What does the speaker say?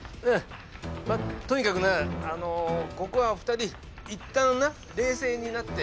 まあとにかくなあのここは２人いったんな冷静になって。